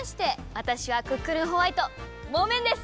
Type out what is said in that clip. わたしはクックルンホワイトモメンです！